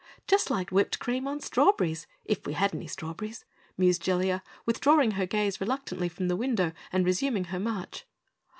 "Just like whipped cream on strawberries if we had any strawberries!" mused Jellia, withdrawing her gaze reluctantly from the window and resuming her march.